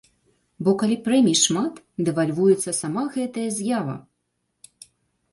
Бо калі прэмій шмат, дэвальвуецца сама гэтая з'ява!